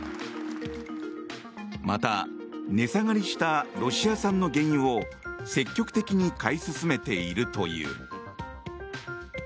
また、値下がりしたロシア産の原油を積極的に買い進めているという。